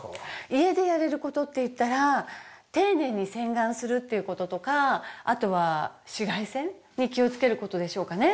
家でやれる事っていったら丁寧に洗顔するっていう事とかあとは紫外線に気をつける事でしょうかね。